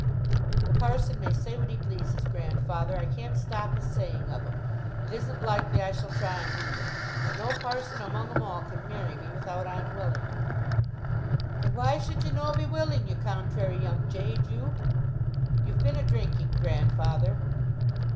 "The parson may say what he pleases, grandfather. I can't stop his saying of 'em. It isn't likely I shall try, neither. But no parson among 'em all can marry me without I'm willing." "And why should you no be willing, you contrairy young jade, you?" "You've been a' drinking, grandfather."